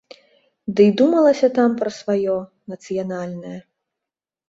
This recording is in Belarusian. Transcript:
Дый думалася там пра сваё, нацыянальнае.